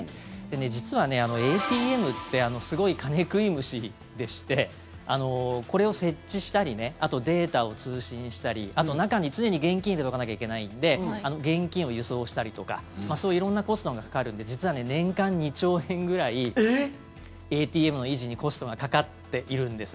実は、ＡＴＭってすごい金食い虫でしてこれを設置したりあとデータを通信したりあと中に常に現金を入れとかなきゃいけないんで現金を輸送したりとか、そういう色んなコストがかかるんで実は年間２兆円ぐらいＡＴＭの維持に年間２兆円？